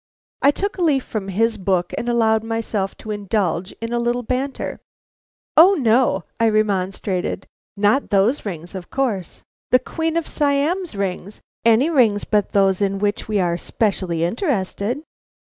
I took a leaf from his book, and allowed myself to indulge in a little banter. "O, no," I remonstrated, "not those rings, of course. The Queen of Siam's rings, any rings but those in which we are specially interested."